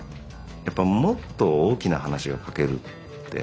やっぱりもっと大きな話が描けるって。